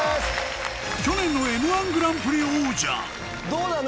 去年のＭ−１グランプリ王者どうなの？